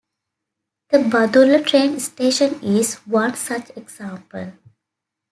The Badulla train station is one such example.